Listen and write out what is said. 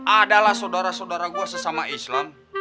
adalah saudara saudara gue sesama islam